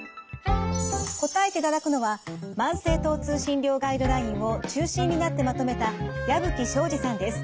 答えていただくのは慢性疼痛診療ガイドラインを中心になってまとめた矢吹省司さんです。